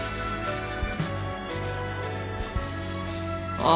ああ。